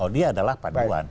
dia adalah panduan